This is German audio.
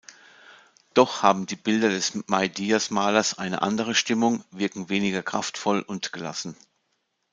Doch haben die Bilder des Meidias-Malers eine andere Stimmung, wirken weniger kraftvoll und gelassen.